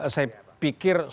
saya pikir sebenarnya pak adbu